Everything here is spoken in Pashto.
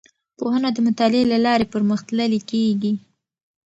پوهنه د مطالعې له لارې پرمختللې کیږي.